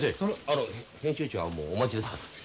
あの編集長はもうお待ちですから。